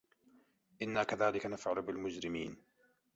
إِنّا كَذلِكَ نَفعَلُ بِالمُجرِمينَ